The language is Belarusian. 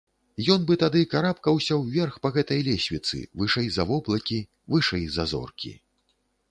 Ён бы тады карабкаўся ўверх па гэтай лесвіцы вышэй за воблакі, вышэй за зоркі.